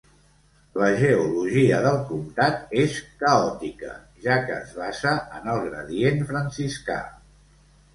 La geologia del comtat és caòtica, ja que es basa en el gradient franciscà.